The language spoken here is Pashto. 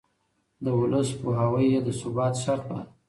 د ولس پوهاوی يې د ثبات شرط باله.